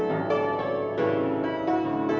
mbak desi nyanyi